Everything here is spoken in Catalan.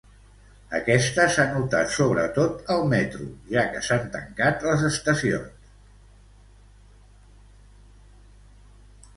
Aquesta s'ha notat, sobretot, al metro, ja que s'han tancat les estacions.